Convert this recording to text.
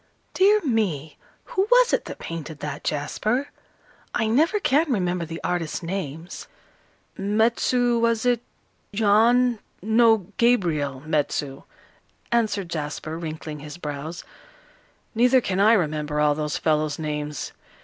"Dear me, who was it that painted that, Jasper? I never can remember the artists' names." "Metsu was it Jan no, Gabriel Metsu," answered Jasper, wrinkling his brows. "Neither can I remember all those fellows' names.